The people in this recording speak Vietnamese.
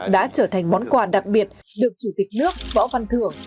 đã trở thành món quà đặc biệt được chủ tịch nước võ văn thưởng